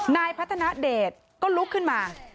นายพัฒนาเดชก็ลุกขึ้นมา